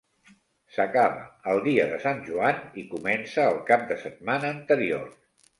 S'acaba el dia de Sant Joan i comença el cap de setmana anterior.